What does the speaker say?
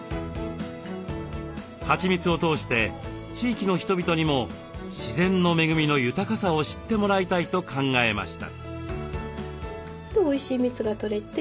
はちみつを通して地域の人々にも自然の恵みの豊かさを知ってもらいたいと考えました。